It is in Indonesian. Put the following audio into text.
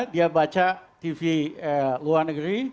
dia baca tv luar negeri